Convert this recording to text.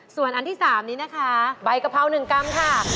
ส่วนอันที่๓นี้นะคะใบกะเพรา๑กรัมค่ะ